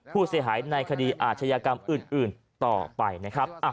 ผู้เสียหายในคดีอาชญากรรมอื่นต่อไปนะครับ